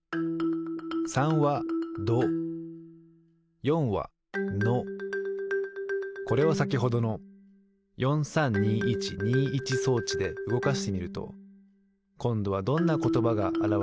３は「ど」４は「の」これをさきほどの４３２１２１装置でうごかしてみるとこんどはどんなことばがあらわれるでしょう？